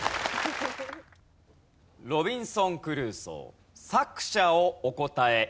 『ロビンソン・クルーソー』作者をお答え頂きます。